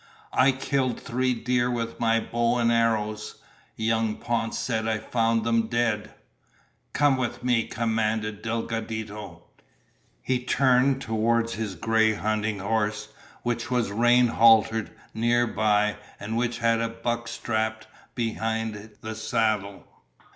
"I killed three deer with my bow and arrows! Young Ponce said I found them dead!" "Come with me!" commanded Delgadito. He turned toward his gray hunting horse, which was rein haltered near by and which had a buck strapped behind the saddle.